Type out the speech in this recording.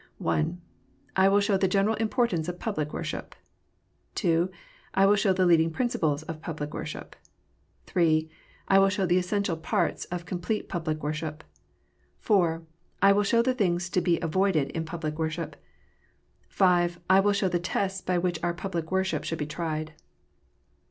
I. / will show the general importance of public worship, II. I will show the leading principles of public warship. III. I will show the essential parts of complete public worship. IV. / will show the things to be avoided in public worship. V. / will show the tests by which our public worship should be tried.